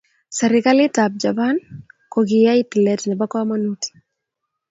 Serikalitab Japan kokiyai tilet nebo komonut.